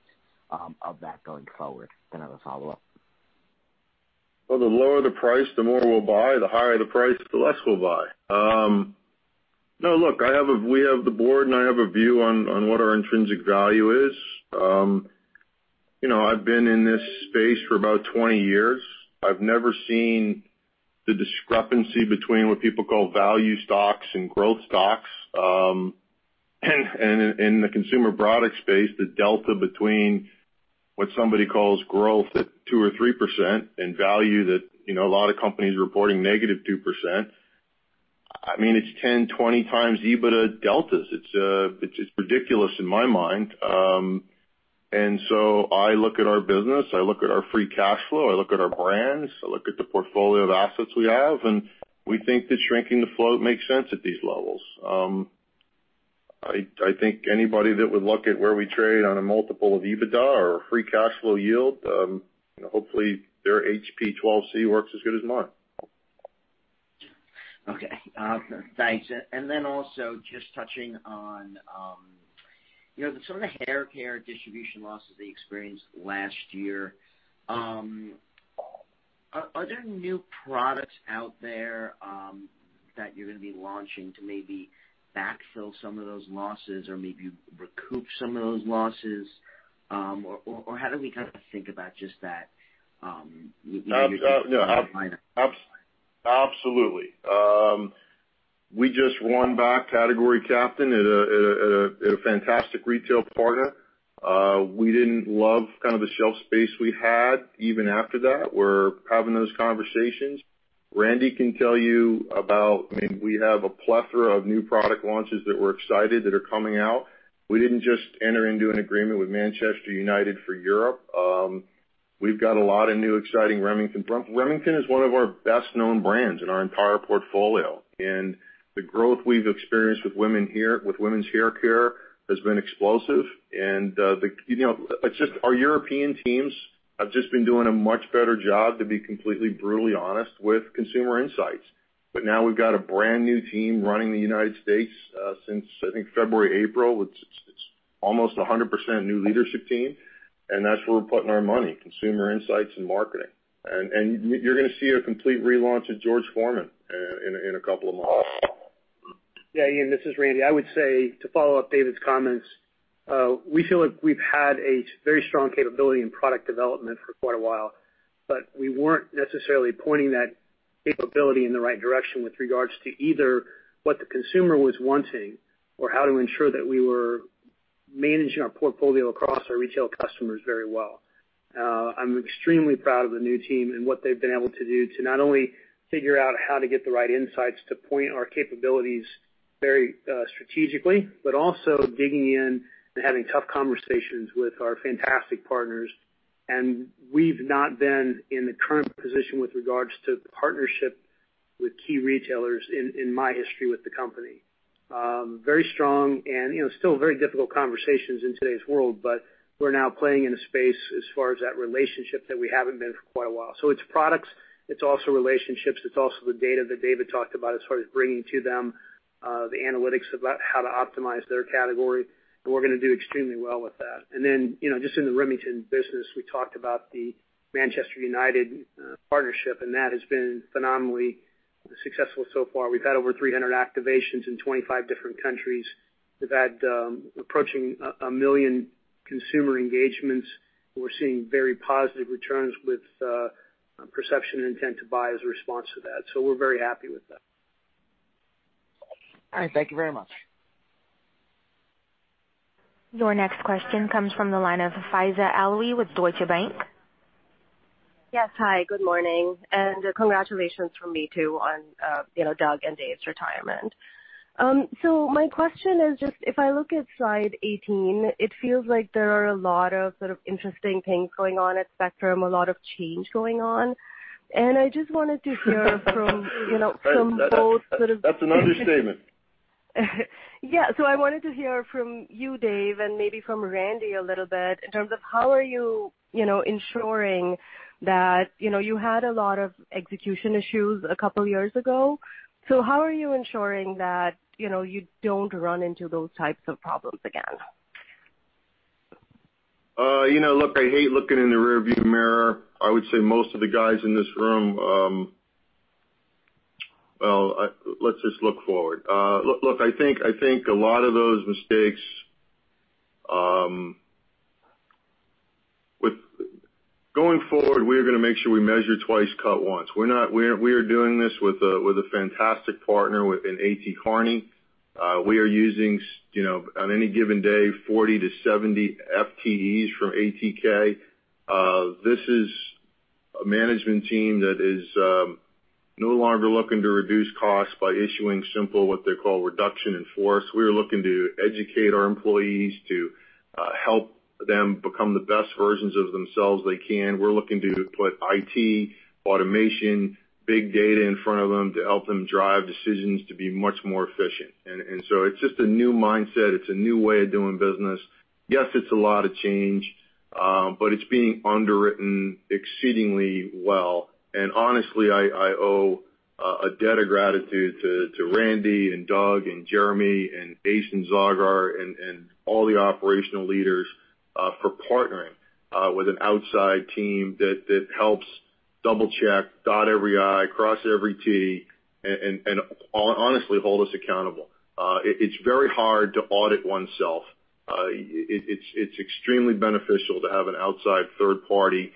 of that going forward? I have a follow-up. Well, the lower the price, the more we'll buy. The higher the price, the less we'll buy. No, look, we have the board, and I have a view on what our intrinsic value is. I've been in this space for about 20 years. I've never seen the discrepancy between what people call value stocks and growth stocks. In the consumer product space, the delta between what somebody calls growth at 2% or 3% and value that a lot of companies are reporting negative 2%. It's 10x, 20x EBITDA deltas. It's ridiculous in my mind. I look at our business, I look at our free cash flow, I look at our brands, I look at the portfolio of assets we have, and we think that shrinking the float makes sense at these levels. I think anybody that would look at where we trade on a multiple of EBITDA or free cash flow yield, hopefully their HP 12C works as good as mine. Okay. Thanks. Also just touching on some of the hair care distribution losses that you experienced last year. Are there new products out there that you're going to be launching to maybe backfill some of those losses or maybe recoup some of those losses? How do we think about just that? Absolutely. We just won back category captain at a fantastic retail partner. We didn't love the shelf space we had, even after that. We're having those conversations. Randy can tell you about, we have a plethora of new product launches that we're excited that are coming out. We didn't just enter into an agreement with Manchester United for Europe. We've got a lot of new exciting Remington. Remington is one of our best-known brands in our entire portfolio, and the growth we've experienced with women's hair care has been explosive. Our European teams have just been doing a much better job, to be completely brutally honest, with consumer insights. Now we've got a brand new team running the United States, since I think February, April. It's almost 100% new leadership team, and that's where we're putting our money, consumer insights and marketing. You're going to see a complete relaunch of George Foreman in a couple of months. Yeah, Ian, this is Randy. I would say, to follow up David's comments, we feel like we've had a very strong capability in product development for quite a while, but we weren't necessarily pointing that capability in the right direction with regards to either what the consumer was wanting or how to ensure that we were managing our portfolio across our retail customers very well. I'm extremely proud of the new team and what they've been able to do to not only figure out how to get the right insights to point our capabilities very strategically, but also digging in and having tough conversations with our fantastic partners. We've not been in the current position with regards to partnership with key retailers in my history with the company. Very strong and still very difficult conversations in today's world. We're now playing in a space as far as that relationship that we haven't been for quite a while. It's products, it's also relationships, it's also the data that David talked about as far as bringing to them, the analytics about how to optimize their category. We're going to do extremely well with that. Just in the Remington business, we talked about the Manchester United partnership, and that has been phenomenally successful so far. We've had over 300 activations in 25 different countries. We've had approaching a million consumer engagements. We're seeing very positive returns with perception and intent to buy as a response to that. We're very happy with that. All right. Thank you very much. Your next question comes from the line of Faiza Alwy with Deutsche Bank. Yes. Hi, good morning. Congratulations from me, too, on Doug and Dave's retirement. My question is just, if I look at slide 18, it feels like there are a lot of sort of interesting things going on at Spectrum, a lot of change going on. I just wanted to hear from. That's an understatement. I wanted to hear from you, Dave, and maybe from Randy a little bit in terms of how are you ensuring that you had a lot of execution issues a couple of years ago. How are you ensuring that you don't run into those types of problems again? I hate looking in the rear view mirror. I would say most of the guys in this room. Well, let's just look forward. I think a lot of those mistakes. Going forward, we are going to make sure we measure twice, cut once. We are doing this with a fantastic partner in A.T. Kearney. We are using, on any given day, 40 to 70 FTEs from ATK. This is a management team that is no longer looking to reduce costs by issuing simple, what they call reduction in force. We are looking to educate our employees to help them become the best versions of themselves they can. We're looking to put IT, automation, big data in front of them to help them drive decisions to be much more efficient. It's just a new mindset. It's a new way of doing business. Yes, it's a lot of change, but it's being underwritten exceedingly well. Honestly, I owe a debt of gratitude to Randy and Doug and Jeremy and Jason Zagar and all the operational leaders, for partnering with an outside team that helps double-check, dot every I, cross every T, and honestly hold us accountable. It's very hard to audit oneself. It's extremely beneficial to have an outside third party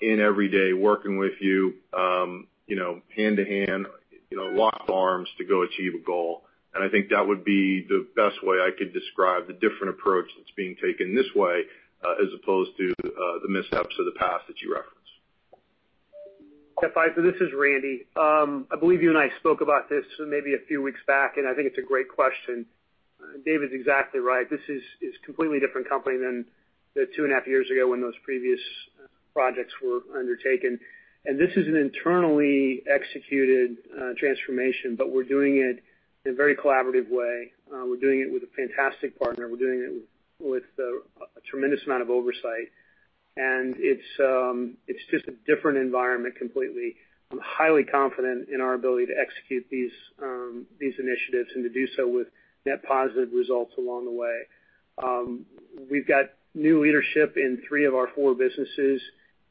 in every day working with you hand to hand, locked arms to go achieve a goal. I think that would be the best way I could describe the different approach that's being taken this way, as opposed to the mishaps of the past that you referenced. Yeah. Faiza, this is Randy. I believe you and I spoke about this maybe a few weeks back. I think it's a great question. David's exactly right. This is completely different company than the two and a half years ago when those previous projects were undertaken. This is an internally executed transformation, but we're doing it in a very collaborative way. We're doing it with a fantastic partner. We're doing it with a tremendous amount of oversight. It's just a different environment completely. I'm highly confident in our ability to execute these initiatives and to do so with net positive results along the way. We've got new leadership in three of our four businesses.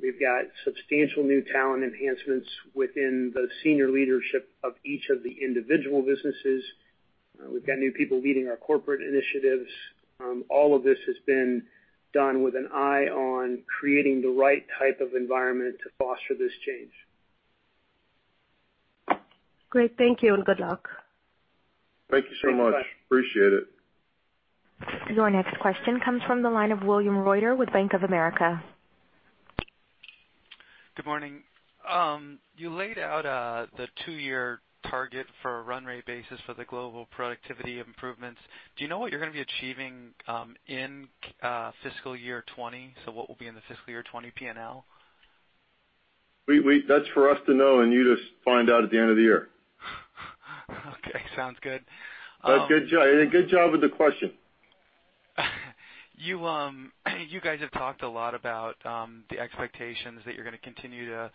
We've got substantial new talent enhancements within the senior leadership of each of the individual businesses. We've got new people leading our corporate initiatives. All of this has been done with an eye on creating the right type of environment to foster this change. Great. Thank you, and good luck. Thank you so much. Thanks so much. Appreciate it. Your next question comes from the line of William Reuter with Bank of America. Good morning. You laid out the two-year target for a run rate basis for the global productivity improvements. Do you know what you're going to be achieving in fiscal year 2020? What will be in the fiscal year 2020 P&L? That's for us to know and you just find out at the end of the year. Okay, sounds good. Good job with the question. You guys have talked a lot about the expectations that you're going to continue to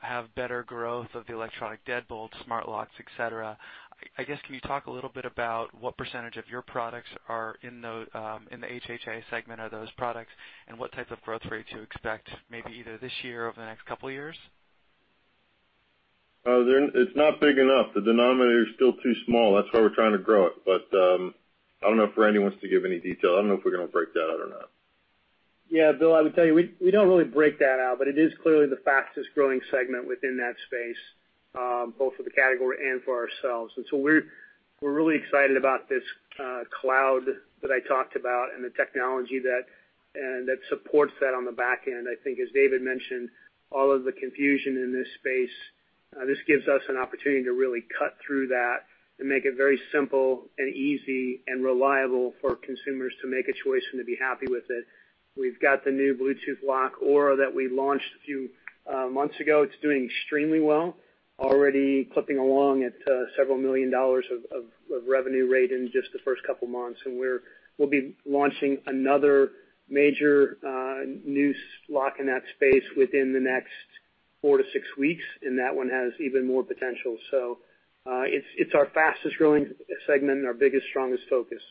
have better growth of the electronic deadbolts, smart locks, et cetera. I guess, can you talk a little bit about what % of your products are in the HHI segment are those products, and what type of growth rates you expect, maybe either this year or over the next couple of years? It's not big enough. The denominator's still too small. That's why we're trying to grow it. I don't know if Randy wants to give any detail. I don't know if we're going to break that out or not. Bill, I would tell you, we don't really break that out, but it is clearly the fastest-growing segment within that space, both for the category and for ourselves. We're really excited about this cloud that I talked about and the technology that supports that on the back end. I think, as David mentioned, all of the confusion in this space, this gives us an opportunity to really cut through that and make it very simple and easy and reliable for consumers to make a choice and to be happy with it. We've got the new Bluetooth lock, Aura, that we launched a few months ago. It's doing extremely well. Already clipping along at $several million dollars of revenue rate in just the first couple of months. We'll be launching another major new lock in that space within the next four to six weeks, and that one has even more potential. It's our fastest-growing segment and our biggest, strongest focus.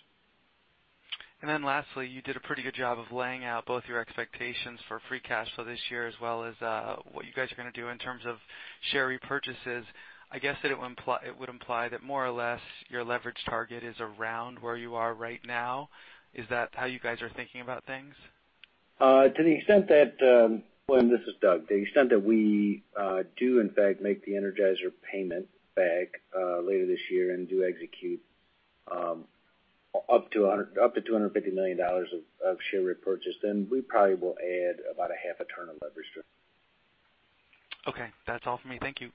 Lastly, you did a pretty good job of laying out both your expectations for free cash flow this year as well as what you guys are going to do in terms of share repurchases. I guess that it would imply that more or less, your leverage target is around where you are right now. Is that how you guys are thinking about things? To the extent that, William, this is Doug. The extent that we do, in fact, make the Energizer payment back later this year and do execute up to $250 million of share repurchase, then we probably will add about a half a turn of leverage there. Okay. That's all for me. Thank you.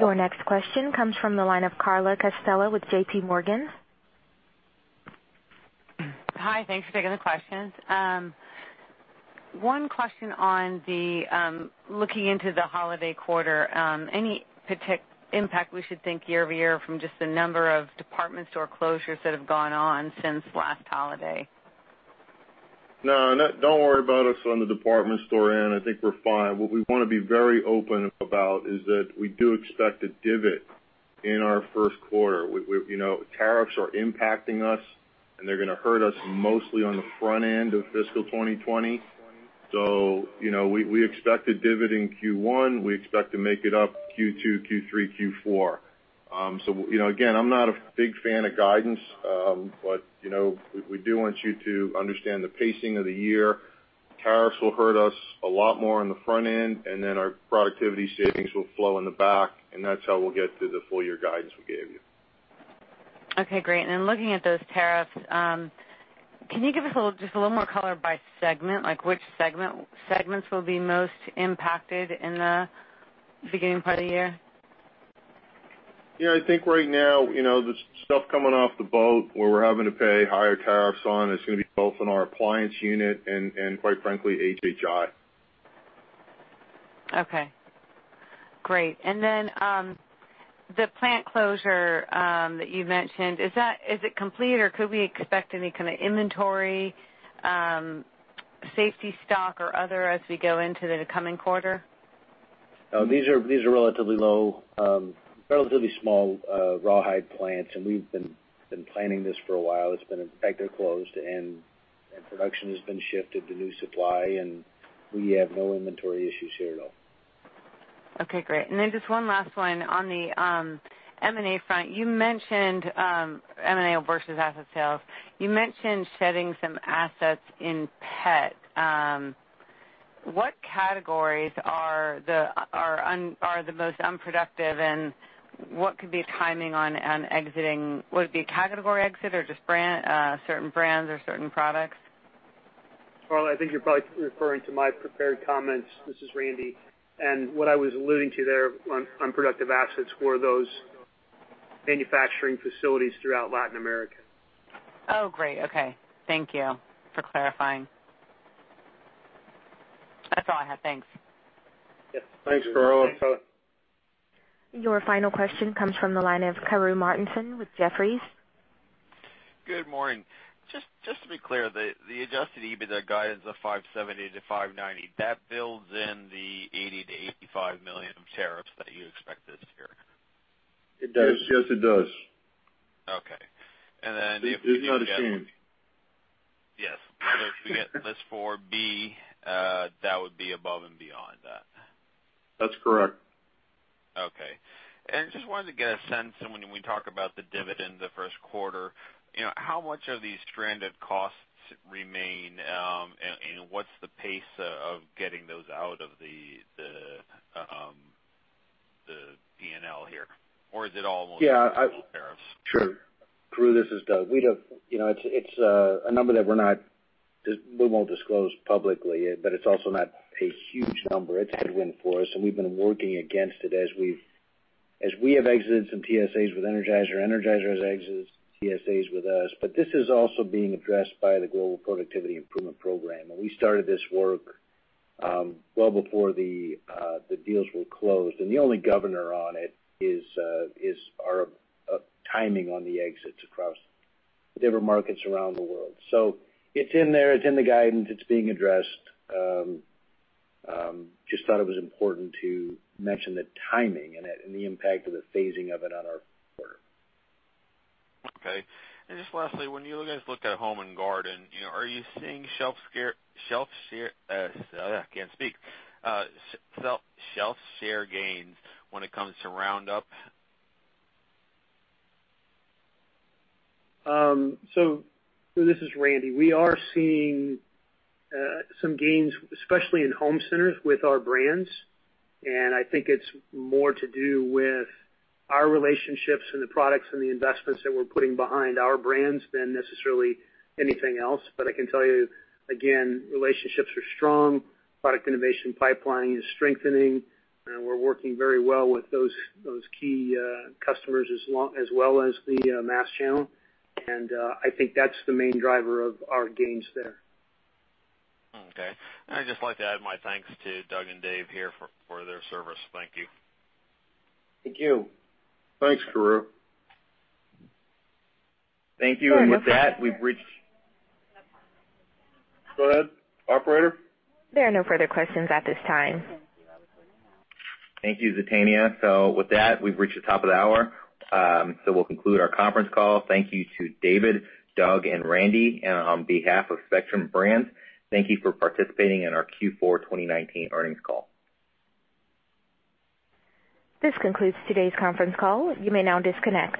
Your next question comes from the line of Carla Casella with JPMorgan. Hi. Thanks for taking the questions. One question on the looking into the holiday quarter. Any impact we should think year-over-year from just the number of department store closures that have gone on since last holiday? No. Don't worry about us on the department store end. I think we're fine. What we want to be very open about is that we do expect a [divot] in our first quarter. Tariffs are impacting us, and they're going to hurt us mostly on the front end of fiscal 2020. We expect a [divot] in Q1. We expect to make it up Q2, Q3, Q4. Again, I'm not a big fan of guidance, but we do want you to understand the pacing of the year. Tariffs will hurt us a lot more on the front end, and then our productivity savings will flow in the back, and that's how we'll get to the full year guidance we gave you. Okay, great. Looking at those tariffs, can you give us just a little more color by segment, like which segments will be most impacted in the beginning part of the year? Yeah, I think right now, the stuff coming off the boat where we're having to pay higher tariffs on is going to be both in our appliance unit and quite frankly, HHI. Okay. Great. The plant closure that you mentioned, is it complete, or could we expect any kind of inventory, safety stock or other as we go into the coming quarter? These are relatively small raw hide plants, and we've been planning this for a while. It's been effectively closed, and production has been shifted to new supply, and we have no inventory issues here at all. Okay, great. Just one last one on the M&A front. You mentioned M&A versus asset sales. You mentioned shedding some assets in pet. What categories are the most unproductive, and what could be timing on exiting? Would it be a category exit or just certain brands or certain products? Carla, I think you're probably referring to my prepared comments. This is Randy, and what I was alluding to there on unproductive assets were those Manufacturing facilities throughout Latin America. Oh, great. Okay. Thank you for clarifying. That's all I had. Thanks. Yes. Thanks, Carla. Your final question comes from the line of Karru Martinson with Jefferies. Good morning. Just to be clear, the adjusted EBITDA guidance of $570 to $590, that builds in the $80 million-$85 million of tariffs that you expect this year? It does. Yes, it does. Okay. There's not a chance. Yes. If we get List 4B, that would be above and beyond that. That's correct. Okay. Just wanted to get a sense, and when we talk about the dividend the first quarter, how much of these stranded costs remain? What's the pace of getting those out of the P&L here? Or is it all? Yeah. Tariffs. Sure. Karru, this is Doug. It's a number that we won't disclose publicly, but it's also not a huge number. It's headwind for us, and we've been working against it as we have exited some TSAs with Energizer has exited TSAs with us. This is also being addressed by the Global Productivity Improvement Program, and we started this work well before the deals were closed. The only governor on it is our timing on the exits across different markets around the world. It's in there, it's in the guidance, it's being addressed. Just thought it was important to mention the timing and the impact of the phasing of it on our quarter. Okay. Just lastly, when you guys look at Home and Garden, are you seeing Shelf share gains when it comes to Roundup? This is Randy. We are seeing some gains, especially in home centers with our brands, I think it's more to do with our relationships and the products and the investments that we're putting behind our brands than necessarily anything else. I can tell you again, relationships are strong, product innovation pipeline is strengthening, and we're working very well with those key customers as well as the mass channel. I think that's the main driver of our gains there. Okay. I'd just like to add my thanks to Doug and Dave here for their service. Thank you. Thank you. Thanks, Karru. Thank you. With that, we've reached Go ahead, operator. There are no further questions at this time. Thank you, Zatania. With that, we've reached the top of the hour. We'll conclude our conference call. Thank you to David, Doug, and Randy. On behalf of Spectrum Brands, thank you for participating in our Q4 2019 earnings call. This concludes today's conference call. You may now disconnect.